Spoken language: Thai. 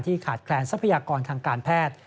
ขาดแคลนทรัพยากรทางการแพทย์